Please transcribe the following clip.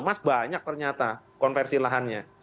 emas banyak ternyata konversi lahannya